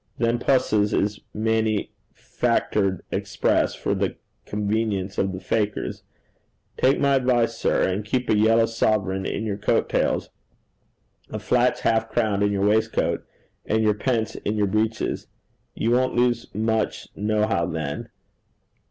Them pusses is mannyfactered express for the convenience o' the fakers. Take my advice, sir, and keep a yellow dump (sovereign) in yer coat tails, a flatch yenork (half crown) in yer waistcoat, and yer yeneps (pence) in yer breeches. You won't lose much nohow then.